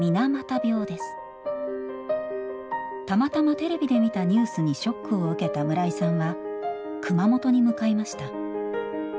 たまたまテレビで見たニュースにショックを受けた村井さんは熊本に向かいました。